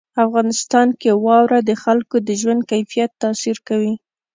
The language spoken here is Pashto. افغانستان کې واوره د خلکو د ژوند کیفیت تاثیر کوي.